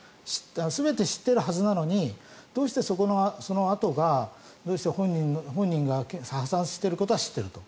全て知っているはずなのにどうしてそのあとが本人が破産していることは知っていると。